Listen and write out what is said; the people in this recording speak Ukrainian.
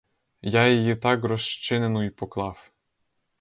Я її так розчинену й поклав.